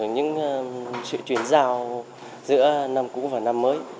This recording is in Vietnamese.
những sự chuyển giao giữa năm cũ và năm mới